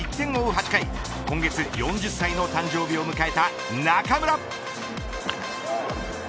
８回今月、４０歳の誕生日を迎えた中村。